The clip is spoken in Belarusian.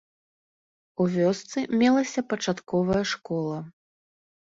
У вёсцы мелася пачатковая школа.